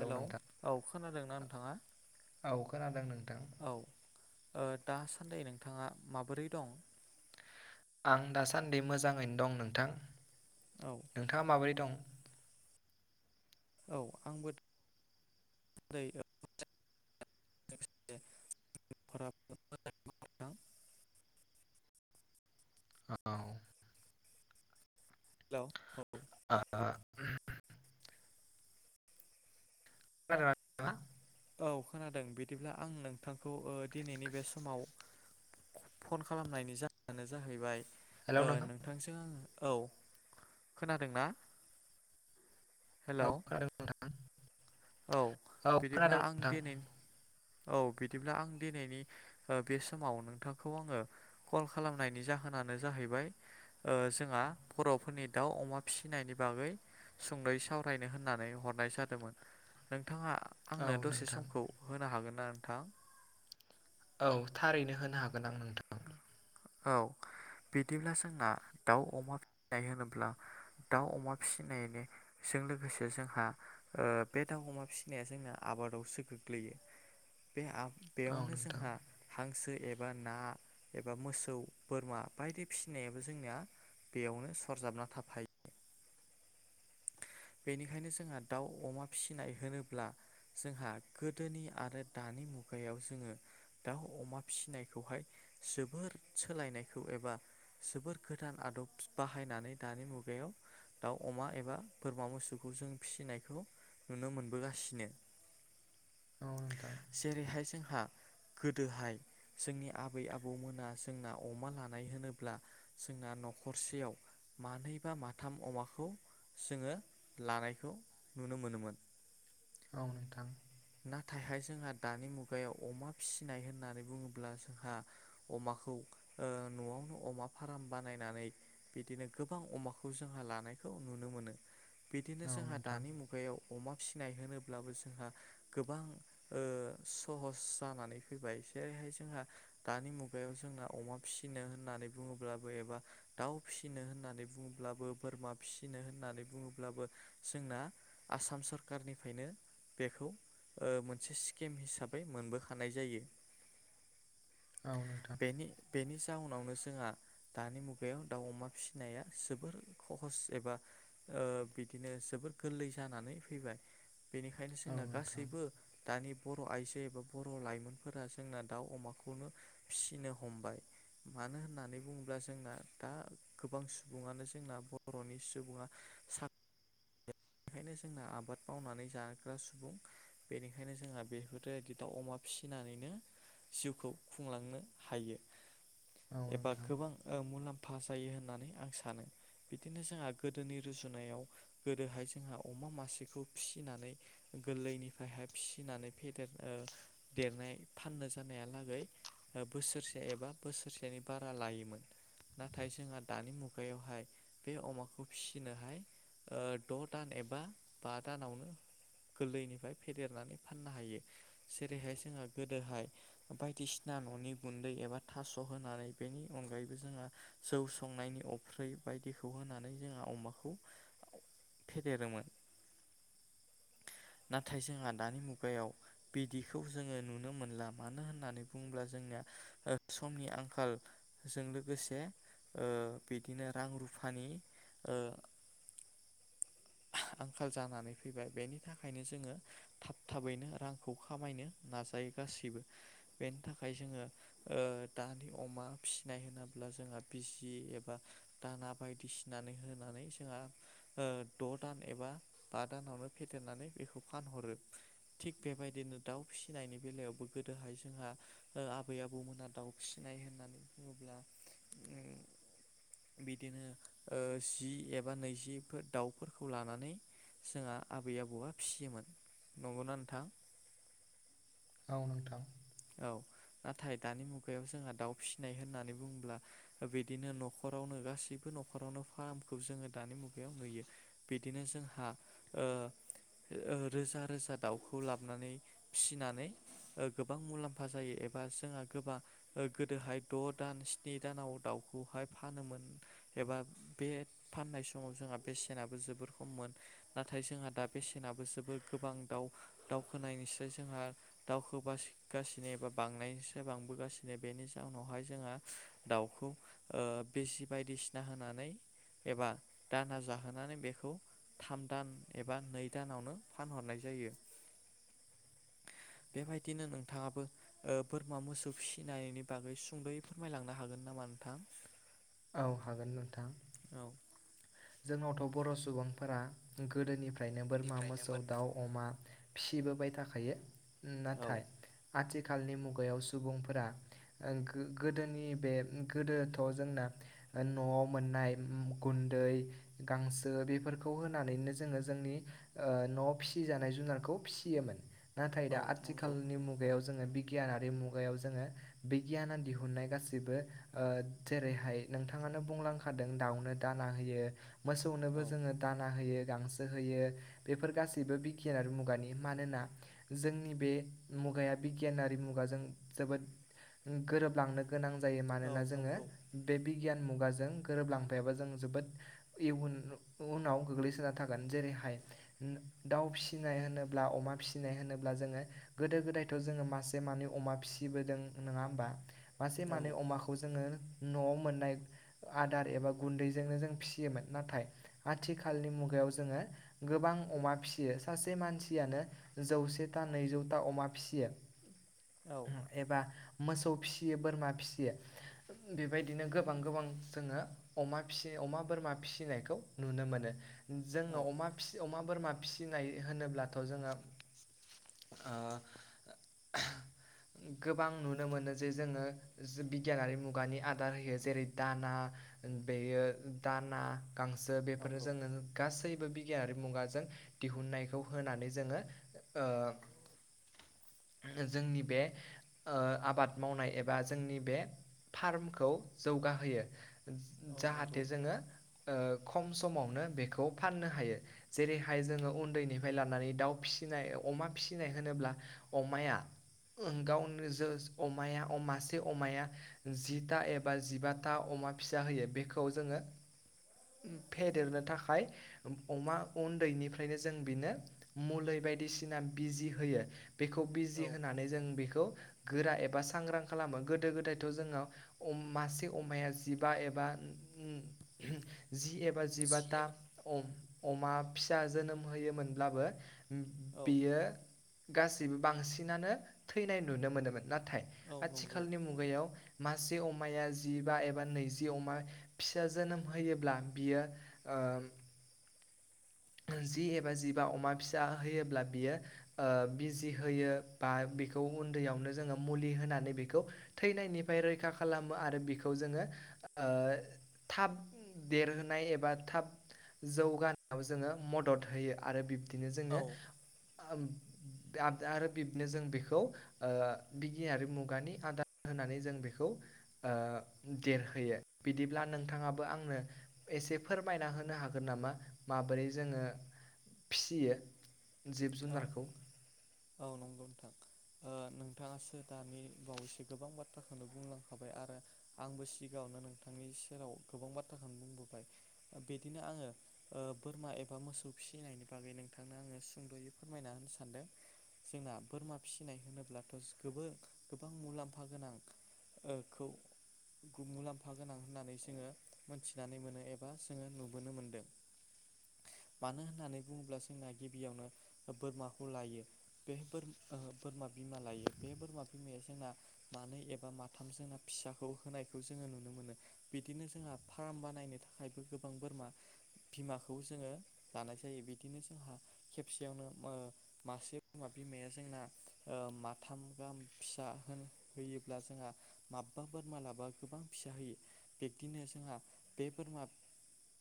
Hello औ खोनादोंना नोंथाङा। औ खोनादों नों औ ओ दासान्दि नोंथाङा माबोरै दं। आं दासान्दि मोजाङैनो दं नोंथां औ नोंथाङा माबोरै दं। औ आंबो [unintelligible] [unintelligible] औ। हेलौ औ। आ खोनादोंना नोंथाङा। औ खोनादों बिदिब्ला आं नोंथांखौ दिनैनि बे समाव फन खालामनायनि जाहोनानो जाहैबाय हेलौ ओ नोंथां नोंथांजों आङो औ खोनादों ना। औ खोनादों नोंथां। औ औ बिदिब्ला खोनादों आं नोंथां दिनै औ बिदिब्ला आं दिनैनि बे समाव नोंथांखौ आङो कल खालामनायनि जा जाहोनानो जाहैबाय ओ जोंहा बर'फोरनि दाउ अमा फिसिनायनि बागै सुंदै'यै सावरायनो होननानै हरनाय जादोंमोन। नोंथाङा औ आंनो दसे नोंथां समखौ होनो हागोन ना नोंथां। औ थारैनो होनो हागोन आं नों औ। बिदिब्ला जोंना दाउ अमा फिसिनाय होनोब्ला दाउ अमा फिसिनायनि जों लोगोसे जोंहा ओ बे दाउ अमा फिसिनाया जोंना आबादावसो गोग्लैयो बे औ बेयावनो नोंथां जोंहा हांसो एबा ना एबा मोसौ बोरमा बायदि फिसिनायाबो जोंनिया बेयावनो सरजाबना थाफायो [unintelligible] बेनिखायनो जोंहा दाउ अमा फिसिनाय होनोब्ला जोंहा गोदोनि आरो दानि मुगायाव जोङो दाउ अमा फिसिनायखौहाय जोबोर सोलायनायखौ एबा जोबोर गोदान आदब बाहायनानै दानि मुगायाव दाउ अमा एबा बोरमा मोसौखौ जों फिसिनायखौ नुनो मोनबोगासिनो औ नोंथां जेरैहाय जोंहा गोदोहाय जोंनि आबै आबौमोना जोंना अमा लानाय होनोब्ला जोंना न'खरसेयाव मानै बा माथाम अमाखौ जोंङो लानायखौ नुनो मोनोमोन। औ नोंथां। नाथायहाय जोंहा दानि मुगायाव अमा फिसिनाय होननानै बुंङोब्ला जोंहा अमा खौ ओ नआवनो अमा फार्म बानायनानै बिदिनो गोबां अमाखौ जोंहा लानायखौ नुनो मोनो। बिदिनो औ जोंहा नोंथां दानि मुगायाव अमा फिसिनाय होनोब्लाबो जोंहा गोबां ओ सहस जानानै फैबाय जेरैहाय जोंहा दानि मुगायाव जों जोंहा अमा फिसिनो होननानै बुंङोब्लाबो एबा दाउ फिसिनो होननानै बुंङोब्लाबो बोरमा फिसिनो होननानै बुंङोब्लाबो जोंना आसाम सरखारनिफ्रायनो बेखौ ओ मोनसे स्किम हिसाबै मोनबोखानाय जायो। औ नोंथां औ नोंथां बेनि बेनि जाउनावनो जोंहा दानि मुगायाव दाउ अमा फिसिनाया जोबोर खहस एबा ओ बिदिनो जोबोर गोरलै जानानै फैबाय। बेनिखायनो औ जोंना गासैबो नोंथां दानि बर' आइजो एबा बर' लाइमोनफोरा जोंना दाउ अमाखौनो फिसिनो हमबाय। मानो होननानै बुङोब्ला जोंना दा गोबां सुबुंङानो जोंना बर'नि सुबुंङा सात बेनो जोंना आबाद मावनानै जाग्रा सुबुं बेनिखायनो जोंहा बेफोरबायदि दाउ अमा फिसिनानैनो जिउखौ खुंलांनो हायो। एबा गोबां ओ मुलाम्फा पास जायो होननानै आं सानो बिदिनो जोंहा गोदोनि रुजुनायाव गोदोहाय जों जोंहा अमा मासेखौ फिसिनानै गोरलैनिफ्रायहाय फिसिनानै फेदेर ओ देरनाय फाननो जानायालागै ओ बोसोरसे एबा बोसोरसेनि बारा लायोमोन। नाथाय जोंहा दानि मुगायावहाय बे अमाखौ फिसिनोहाय द दान एबा बा दानावनो गोरलैनिफ्राय फेदेरनानै फाननो हायो जेरैहाय जोंहा गोदोहाय बायदिसिना न'नि गुन्दै एबा थास' होनानै बेनि अनगायैबो जोंहा जौ संनायनि अफ्रै बाय दिखौ होनानै जोंहा अमाखौ फेदेरोमोन। [unintelligible] नाथाय जोंहा दानि मुगायाव बिदिखौ जोंङो नुनो मोनला मानो होननानै बुंब्ला जों निया ओ समनि आंखालजों लोगोसे ओ बिदिनो रां रुफानि ओ आंखाल जानानै फैबाय बेनि थाखायनो जोंङो थाब थाबैनो रांखौ खामायनो नाजा दायो गासैबो बेनि थाखाय जोंङो ओ दानि अमा फिसिनाय होनोब्ला जों बिजि एबा दाना बायदिसिनानै होनानै जोंहा द दान एबा बा दानावनो फेदेरनानै बेखौ फानहरो। थिग बेबायदिनो दाउ फिसिनायनि बेलायावबो गोदोहाय जोंहा ओ आबै आबौमोना दाउ फिसिनाय नाय होननानै बुङोब्ला उम बिदिनो ओ जि एबा नैजिफोर दाउ फोरखौ लानानै जोंहा आबै आबौआ फिसियोमोन। नंगौना नोंथां? [inaudible] औ नोंथां। औ नाथाय दानि मुगायाव जोंहा दाउ फिसिनाय होननानै बुंङोब्ला बिदिनो न'खर रावनो गासिबो न'खरावनो फार्मखौ जोंङो दानि मुगायाव नुयो बिदिनो जोंहा ओ ओ ओ रोजा रोजा दाउखौ लाबोनानै फिसिनानै गोब बां मुलाम्फा जायो एबा जोंहा गोबां ओ गोदोहाय द' दान स्नि दानाव दाउखौहाय फानोमोन एबा बे फाननाय समाव जोंहा बेसेनाबो जोबोर खममोन नाथाय थाय जोंहा दा बेसेनाबो जोबोद गोबां दाउ दावखोनायनिसाय जोंहा दावखोबासि गासिनो एबा बांनायनिसो बांबोगासिनो बेनि जाउनावहाय जोंहा दाउखौ ओ बिजि बायदिसिना होनानै एबा दाना जाहोनानै बेखौ थाम दान एबा नै दानावनो फानहरनाय जायो। बेबायदिनो नों थाङाबो ओ बोरमा मोसौ फिसिनायनि बागै सुंद'यै फोरमायलांनो हागोन नामा नोंथां? औ हागोन नोंथां औ जोंनावथ' बर' सुबुंफोरा गोदोनिफ्रायनो बोरमा मोसौ दाउ अमा फिसिबोबाय थाखायो औ नाथाय आथिखाल खालनि मुगायाव सुबुंफोरा ओ गो-गोदोनि बे गोदोथ' जोंना न'आव मोननाय गुन्दै। गांसो बेफोरखौ होनानैनो जोङो जोंनि ओ न'आव फिसि जानाय जुनारखौ फिसि योमोन नाथाय औ दा नंगौ आथिखालनि मुगायाव जोङो बिगियानारि मुगायाव जोङो बिगियाना दिहुननाय गासिबो ओ जेरैहाय नोंथाङानो बुंलांखादों दाउनो दाना होयो मोसौनोबो औ जोङो दाना होयो। गांसो होयो बिफोर गासिबो बिगियानारि मुगानि मानोना जोंनि बे मु गाया बिगियानारि मुगाजों जोबोद गोरोबलांनो गोनां जायो औ मानोना जोङो नंगौ बे बिगियान मुगाजों गोरोबलांफायाबो जों जोबोद इयुन उनाव गोग्लैसोना थागोन जेरैहाय दाउ फिसिनाय होनोब्ला अमा मा फिसिनाय होनोब्ला जोङो गोदो गोदायथ' जोङो मासे मानै अमा फिसिबोदों नङा होमबा मासे औ मानै अमाखौ जोङो न'आव मोननाय आदार एबा गुन्दैजोंनो जों फिसियोमोन नाथाय आथिखालनि मुगायाव जोङो गोबां अमा फियो सासे मानसियानो जौसेथा नैजौथा अमा फिसियो औ एबा मोसौ फिसियो बोरमा फिसियो बेबायदिनो गोबां गोबां जोङो अमा फिसियो अमा बोरमा फिसिनायखौ नुनो मोनो औ जोङो अमा फिसि अमा बोरमा फिसिनाय होनोब्लाथ' जोङो ओ गोबां नुनो मोनो जे जोङो जो बिगियानारि मुगानि आदार होयो जेरै दाना बेयो दाना गांसो बेफोरो नंगौ जोङो गासैबो गियारि मुगाजों दिहुननायखौ होनानै जोङो ओ जोंनि बे ओ आबाद मावनाय एबा जोंनि बे फार्मखौ जौगाहोयो औ नंगौ जाहाथे जोङो ओ खम समावनो बेखौ फाननो हायो जेरैहाय जोङो उन्दैनिफ्राय लानानै दाउ फिसि नाय अमा फिसिनाय होनोब्ला अमाया ओ गावनो जोस अमाया अ मासे अमाया जिथा एबा जिबाथा अ अमा फिसा होयो बेखौ जोङो [inaudible] फेदेरनो थाखाय अमा उन्दैनिफ्रायनो जों बिनो मुलि बाय एदिसियान बिजि होयो बेखौ बिजि औ होननानै जों बेखौ खौ गोरा एबा सांग्रां खालामो गोदो गोदायथ' जोंनो मासे अमाया जिबा एबा बा उम उम जि एबा जिबाथा अम-अमा फिसा जोनोम होयोमोनब्लाबो औ बियो गासैबो बांसिनानो थैनाय नुनो मोनोमोन ना थाय औ नंगौ आथिखालनि मुगायाव मासे अमाया जिबा एबा नैजि अमा फिसा जोनोम होयोब्ला बियो ओम [inaudible] जि एबा जिबा अमा फिसा होयोब्ला बियो ओ बिजि होयो बा बे खौ उन्दैयावनो जोङो मुलि होनानै बेखौ थैनायनिफ्राय रैखा खालामो आरो बेखौ जोङो ओ थाब देरहोनाय एबा थाब जौगानायाव जोङो मदद होयो आरो बि बिदिनो जोङो औ [unintelligible] जों बेखौ ओ बिगियारि मुगानि आदार होनानै जों बेखौ ओ देरहोयो बिदिब्ला नोंथाङाबो आंनो एसे फोरमायना होनो हागोन नामा माबोरै जोङो फिसियो जिब औ जुनारखौ औ नंगौ नोंथां ओ नोंथाङासो दानि बावैसो गोबां बाथ्राखौनो बुंलांखाबाय आरो आंबो सिगाङावनो नोंथांनि सेराव गोबां बाथ्राखौनो बुंबोबाय बिदिनो आङो ओ बोरमा एबा मोसौ फिसिनायनि बागै नोंथांनो आङो सुंद'यै फोरमायना होनो सानदों जोंना बोरमा फिसिनाय होनोब्लाथ' [unintelligible] गोबां मुलाम्फा गोनां ओ खौ गु मुलाम्फा गोनां होननानै जोङो मोनथिनानै मोनो एबा जोङो नुबोनो मोनदों। मानो होननानै बुङोब्ला जोंना गिबियावनो बोरमाखौ लायो बे बोर बोरमा बिमा लायो बे ओ बोरमा बिमाया जोंना मा मानै एबा माथाम जोंना फिसाखौ होनायखौ जोङो नुनो मोनो बिदिनो जोंहा फार्म बानायनो थाखाय बो गोबां बोरमा बिमाखौ जोङो लानाय जायो बिदिनो जोंहा खेबसेयावनो ओ मासे [inaudible] बिमाया जोंना ओ माथाम गाहाम फिसा होन होयो जोंहा माबबा बोरमा लाबा गोबां फिसा होयो बिबदिनो जोंहा बे बोरमा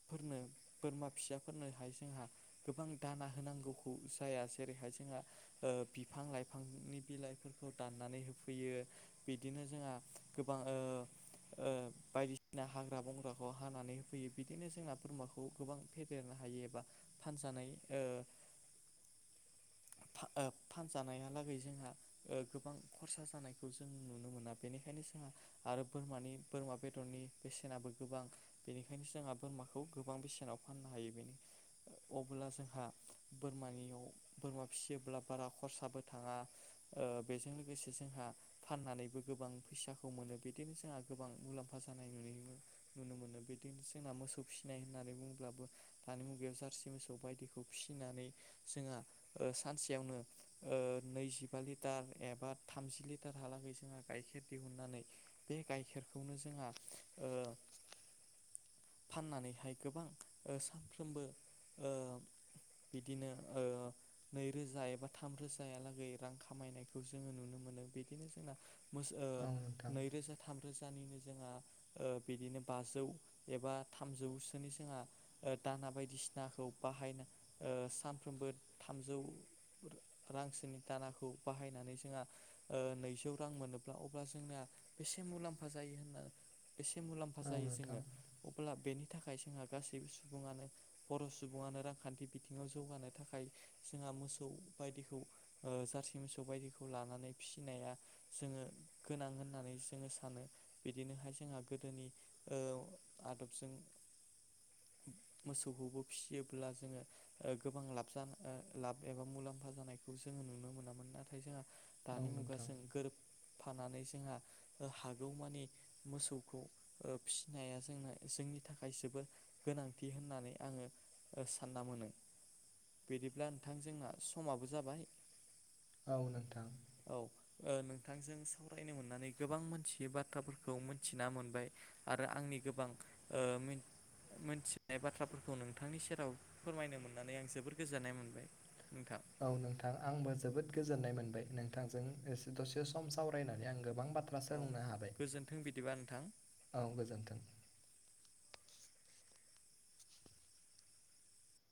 फोरनो बोरमा फिसाफोरनोहाय जोंहा गोबां दाना होनांगौखौ [unintelligible] जेरैहाय जोंहा ओ बिफां लाइफांनि बिलाइफोरखौ दाननानै होफैयो बिदिनो जोंहा गोबां ओ ओ बायदिसिना हाग्रा बंग्राखौ हानानै होफैयो बिदिनो जोंना बोरमाखौ गोबां फेदेर हायो बा फानजानाय ओ ओ फानजानायालागै जोंहा ओ गोबां खरसा जानायखौ जों नुनो मोना बेनिखायनो बेखायनो जोंहा आरो बोरमानि बोरमा बेदरनि बेसेनाबो गोबां बेनिखायनो जोंहा बोरमाखौ गोबां बेसेनाव फाननो हायो बेनो अब्ला जोंहा बोरमानियाव बोरमा फिसियोब्ला बारा खरसाबो थाङा ओ बेजों लोगोसे जोंहा फाननानैबो गो बां फैसाखौ मोनो बिदिनो जोंहा गोबां मुलाम्फा जानाय नुनो मोनो बिदिनो जोंहा मोसौ फिसिनाय होननानै बुङोब्लाबो दानि मुगायाव जारसि मोसौ बायदिखौ फिनानै जोंहा ओ सानसेयावनो ओ नैजिबा लिटार एबा थामजि लिटार हालाम जोंहा गाइखेर दिहुननानै बे गाइखेरखौनो जोंहा ओ फाननानैहाय गोबां ओ सानफ्रोमबो ओ बिदिनो ओ नैरोजा एबा थाम रोजालागै रां खामायनायखौ जोङो नुनो मोनो बिदिनो जोंना मोस औ नोंथां ओ नैरोजा थाम रोजानिनो जोंहा ओ बिदिनो बाजौ एबा थामौसोनि जोंहा ओ दाना बायदिसिना सिनाखौ बाहायनाय ओ सा फ्रोमबो थामजौ रांसोनि दानाखौ बाहायनानै जोंहा ओ नै जौ रां मोनोब्ला अब्ला जोंनिया बेसे मुलाम्फा जायो होनना एसे मुलाम्फा औ जायो नोंथां जोङो अब्ला बेनि थाखाय जोंहा गासैबो सुबुङानो बर' सुबुङानो रांखान्थि बिथिङाव जौगानो थाखाय जोंहा मोसौ बायदिखौ ओ जारसि मोसौ बायदिखौ लानानै फिसिनाया जोङो गोनां होननानै जोङो सानो बिदिनोहाय जोंहा गोदोनि ओ आदबजों मोसौखौबो फिसियोब्ला जोङो ओ गोबां लाब [unintelligible] लाब एबा मुलाम्फा जानायखौ जोङो नुनो मोनामोन नाथाय जोंहा औ दानि मुगा नोंथां सोंखोर फानानै जोंहा ओ हागौमानि मोसौखौ ओ फिसिनाया जोंना जोंनि थाखाय जोबोर गोनांथि होननानै आङो सानना मोनो। बिदिब्ला नोंथां जोंना समाबो जाबाय। औ नोंथां। औ ओ नोंथांजों सावरायनो मोननानै गोबां मोथियै बाथ्राफोरखौ मिथिना मोनबाय। आरो आंनि गोबां मोनथिनाय बाथ्राफोरखौ नोंथांनि सेराव फोरमायनो मोननानै आं जोबोर गोजोननाय मोनबाय। नोंथां औ नोंथां आंबो जोबोद गोजोननाय मोनबाय नों थांजों एसे दसे सम सावरायनानै आं गोबां बाथ्रा औ सोलोंनो हाबाय गोजोन्थों बिदिबा नोंथां। औ गोजोन्थों।